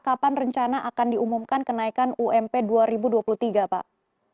kapan rencana akan diumumkan kenaikan ump dua ribu dua puluh tiga pak